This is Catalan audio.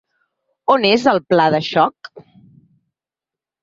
On és el pla de xoc?